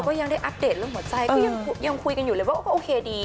ก็ยังได้อัปเดตเรื่องหัวใจก็ยังคุยกันอยู่เลยว่าก็โอเคดี